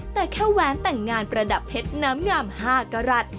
แต่แค่แว้นแต่งงานประดับเพชรน้ำงาม๕กรัฐ